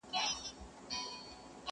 زه مي ټوله ژوندون ومه پوروړی؛